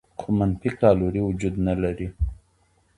خو منفي کالوري وجود نه لري.